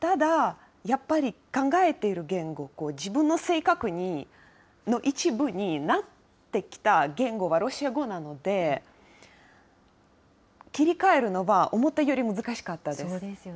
ただ、やっぱり考えている言語、自分の性格の一部になってきた言語はロシア語なので、切り替えるのが思ったより難しかったです。